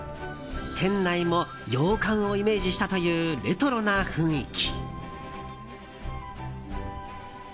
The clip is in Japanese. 店内も洋館をイメージしたというレトロな雰囲気。